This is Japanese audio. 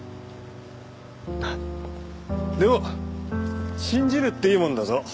でも信じるっていいもんだぞ。